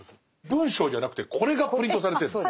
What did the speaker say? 文章じゃなくてこれがプリントされてるの？